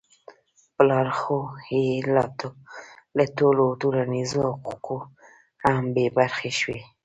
پلار خو يې له ټولو ټولنیزو حقوقو هم بې برخې شوی.